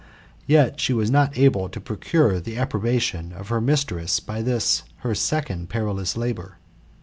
Yet she was not able to procure the approli&fion of her mistress by this her second perilous labour.